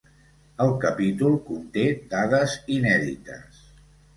El capítol conté dades inèdites.